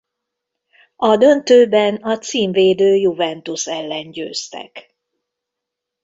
A döntőben a címvédő Juventus ellen győztek.